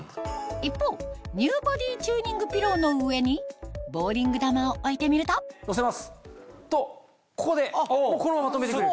一方ＮＥＷボディーチューニングピローの上にボウリング球を置いてみるとのせますとここでこのまま止めてくれる。